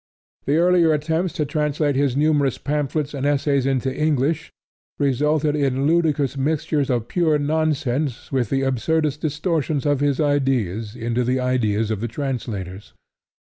The earlier attempts to translate his numerous pamphlets and essays into English, resulted in ludicrous mixtures of pure nonsense with the absurdest distorsions of his ideas into the ideas of the translators.